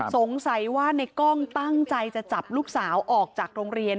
สงสัยว่าในกล้องตั้งใจจะจับลูกสาวออกจากโรงเรียน